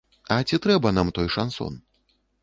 А ці трэба нам той шансон?